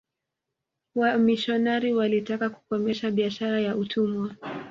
wamishionari walitaka kukomesha biashara ya utumwa